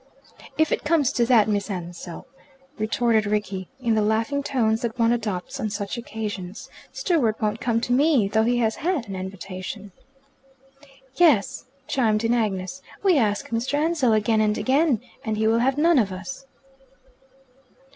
"If it comes to that, Miss Ansell," retorted Rickie, in the laughing tones that one adopts on such occasions, "Stewart won't come to me, though he has had an invitation." "Yes," chimed in Agnes, "we ask Mr. Ansell again and again, and he will have none of us."